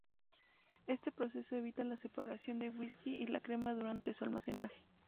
Este proceso evita la separación del whisky y la crema durante su almacenaje.